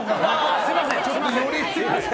すみません！